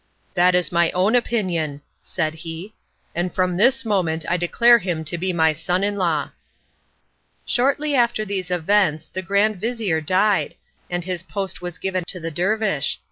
"That is my own opinion," said he, "and from this moment I declare him to be my son in law." Shortly after these events, the grand vizir died, and his post was given to the dervish.